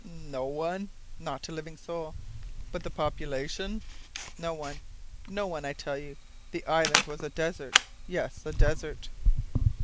"No one?" "Not a living soul." "But the population?" "No one! No one, I tell you. The island was a desert yes, a desert!"